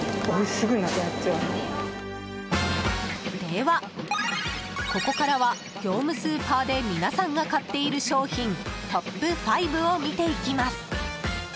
では、ここからは業務スーパーで皆さんが買っている商品トップ５を見ていきます。